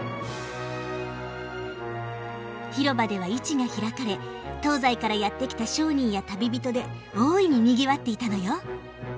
広場では市が開かれ東西からやって来た商人や旅人で大いににぎわっていたのよ。